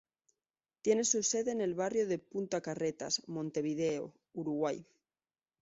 Tiene su sede en el barrio de Punta Carretas, Montevideo, Uruguay.